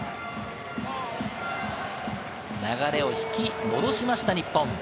流れを引き戻しました、日本。